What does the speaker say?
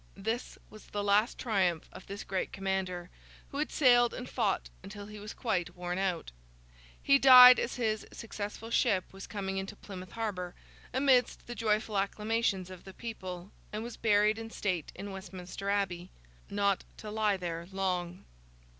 This was the last triumph of this great commander, who had sailed and fought until he was quite worn out. He died, as his successful ship was coming into Plymouth Harbour amidst the joyful acclamations of the people, and was buried in state in Westminster Abbey. Not to lie there, long.